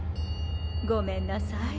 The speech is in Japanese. ごめんなさい。